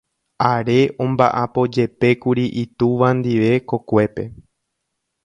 Are omba'apojepékuri itúva ndive kokuépe.